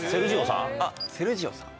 あっセルジオさん。